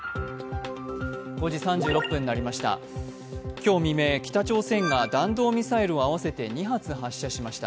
今日未明、北朝鮮が弾道ミサイルを合わせて２発発射しました。